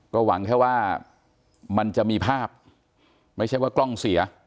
ก็หวังแค่ว่ามันจะมีภาพไม่ใช่ว่ากล้องเสีย